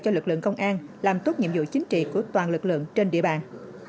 cho lực lượng công an làm tốt nhiệm vụ chính trị của toàn lực lượng trên địa bàn